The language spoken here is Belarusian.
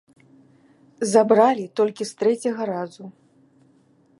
Забралі толькі з трэцяга разу.